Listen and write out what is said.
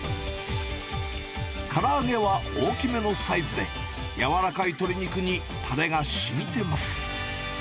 からあげは大きめのサイズで、柔らかい鶏肉に、たれがしみてます。